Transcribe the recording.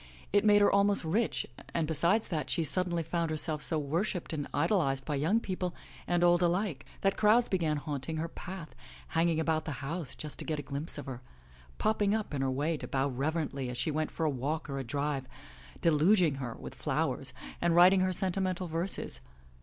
It made her almost rich, and besides that, she suddenly found herself so worshiped and idolized by young people and old 20 THE LATCH KEY alike, that crowds began haunting her path, hanging about the house to get just a glimpse of her — ^popping up in her way to bow reverently as she went for a walk or a drive, deluging her with flowers, and writing her sentimental verses.